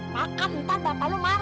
ntar bapak lo marah